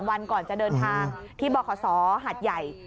วันก่อนจะเดินทางที่บขศหัดใหญ่